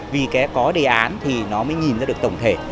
vì có đề án thì nó mới nhìn ra được tổng thể